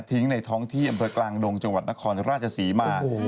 ทิ้งในท้องที่อำเตอร์กลางดงจังหวัดนครราชสีมา